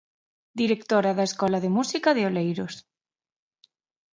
Directora da Escola de Música de Oleiros.